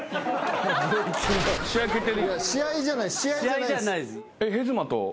試合じゃない試合じゃない。